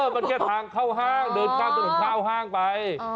มันแค่ทางเข้าห้างเดินข้ามถนนเข้าห้างไป